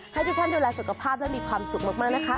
ให้ทุกท่านดูแลสุขภาพและมีความสุขมากนะคะ